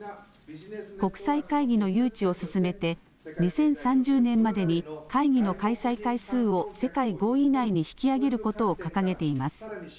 国際会議の誘致を進めて２０３０年までに会議の開催回数を世界５位以内に引き上げることを掲げています。